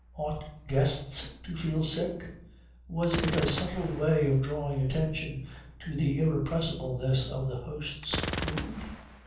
Ought guests to feel sick? Was it a subtle way of drawing attention to the irresistibleness of the host's food?